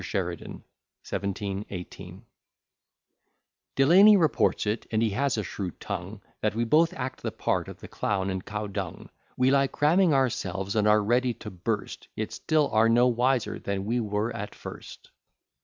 SHERIDAN, 1718 Delany reports it, and he has a shrewd tongue, That we both act the part of the clown and cow dung; We lie cramming ourselves, and are ready to burst, Yet still are no wiser than we were at first.